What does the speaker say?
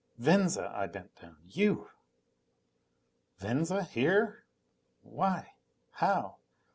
"Venza!" I bent down. "You!" Venza here? Why ... how ...